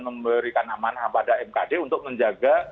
memberikan amanah pada mkd untuk menjaga